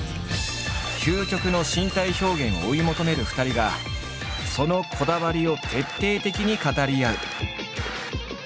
究極の身体表現を追い求める２人がそのこだわりを徹底的に語り合う。